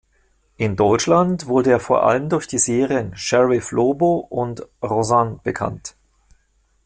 In Deutschland wurde er vor allem durch die Serien "Sheriff Lobo" und "Roseanne" bekannt.